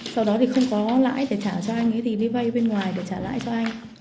sau đó thì không có lãi để trả cho anh ấy thì đi vay bên ngoài để trả lãi cho anh